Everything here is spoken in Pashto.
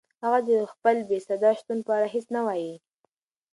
هغه د خپل بېصدا شتون په اړه هیڅ نه وایي.